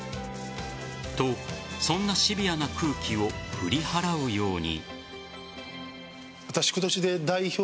と、そんなシビアな空気を振り払うように。